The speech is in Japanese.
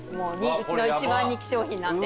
うちの一番人気商品なんで。